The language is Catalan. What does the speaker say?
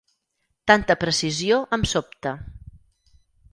Tanta precisió em sobta.